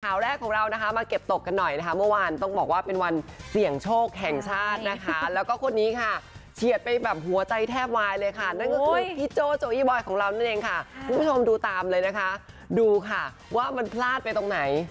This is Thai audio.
ข่าวแรกของเรานะคะมาเก็บตกกันหน่อยนะคะเมื่อวานต้องบอกว่าเป็นวันเสี่ยงโชคแห่งชาตินะคะแล้วก็คนนี้ค่ะเฉียดไปแบบหัวใจแทบวายเลยค่ะนั่นก็คือพี่โจ้โจอี้บอยของเรานั่นเองค่ะคุณผู้ชมดูตามเลยนะคะดูค่ะว่ามันพลาดไปตรงไหน